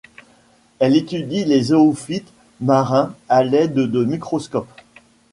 Elle étudie les zoophytes marins à l'aide de microscopes.